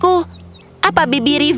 kau akan menangkapku fluff